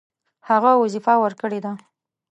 هغه وظیفه ورکړې ده.